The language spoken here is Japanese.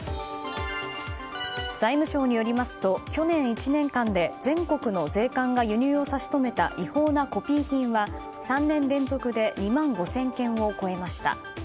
財務省によりますと去年１年間で全国の税関が輸入を差し止めた違法なコピー品は３年連続で２万５０００件を超えました。